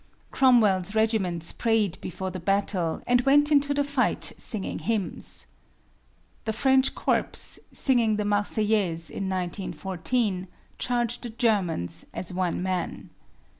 Cromwell's regiments prayed before the battle and went into the fight singing hymns. The French corps, singing the Marseillaise in 1914, charged the Germans as one man.